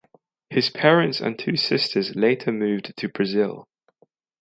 His parents and two sisters later moved to Brazil.